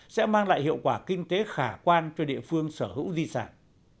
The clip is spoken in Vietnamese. sẽ mang lại hiệu quả kinh tế khả quan cho địa phương sở hữu di sản